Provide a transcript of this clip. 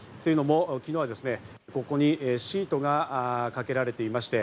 というのも昨日はですね、ここにシートがかけられていました。